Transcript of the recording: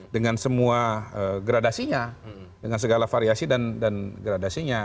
dengan semua gradasinya dengan segala variasi dan gradasinya